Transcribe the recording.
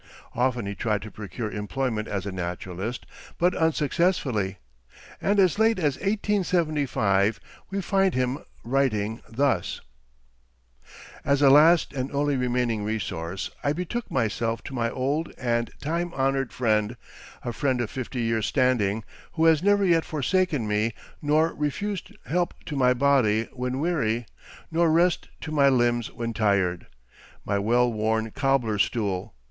Often he tried to procure employment as a naturalist, but unsuccessfully, and as late as 1875 we find him writing thus: "As a last and only remaining resource, I betook myself to my old and time honored friend, a friend of fifty years' standing, who has never yet forsaken me nor refused help to my body when weary, nor rest to my limbs when tired my well worn cobbler's stool.